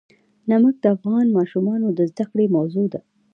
نمک د افغان ماشومانو د زده کړې موضوع ده.